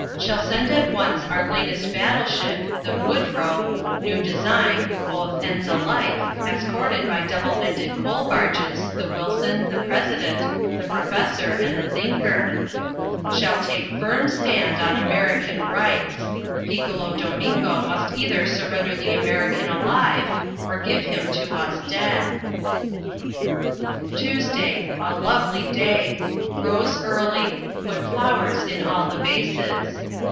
Shall send at once our latest battleship the Woodrow new design, both ends alike, escorted by double ended coal barges the Wilson, the President, the Professor and the Thinker. Shall take firm stand on American rights. Piccolo Domingo must either surrender the American alive, or give him to us dead. TUESDAY. A lovely day. Rose early. Put flowers in all the vases.